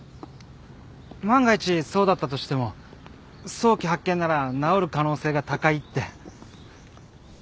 万が一そうだったとしても早期発見なら治る可能性が高いって。